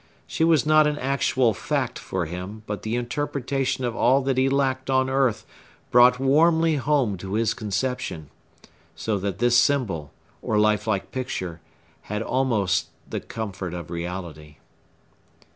She was not an actual fact for him, but the interpretation of all that he lacked on earth brought warmly home to his conception; so that this mere symbol, or life like picture, had almost the comfort of reality.